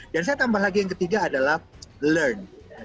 dan saya tambah lagi yang ketiga adalah learn